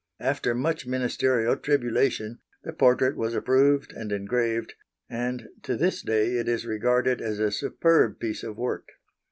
After much ministerial tribulation the portrait was approved and engraved, and to this day it is regarded as a superb piece of work.